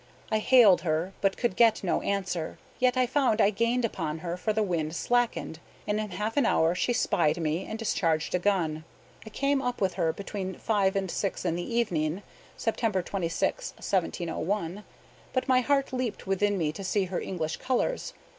I hailed her, but could get no answer; yet I found I gained upon her, for the wind slackened; and in half an hour she spied me, and discharged a gun. I came up with her between five and six in the evening, Sept. 26, 1701; but my heart leaped within me to see her English colors.